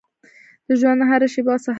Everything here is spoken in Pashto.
د ژونـد هـره شـيبه او صحـنه يـې